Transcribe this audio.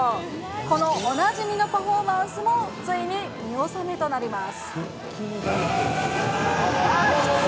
このおなじみのパフォーマンスもついに見納めとなります。